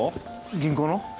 銀行の？